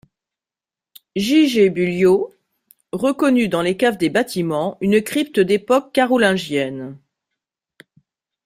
J-G Bulliot reconnut dans les caves des bâtiments une crypte d'époque carolingienne.